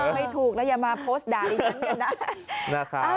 ไม่ถูกแล้วอย่ามาโพสต์ด่าดิฉันกันนะ